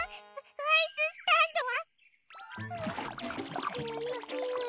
アアイススタンドは。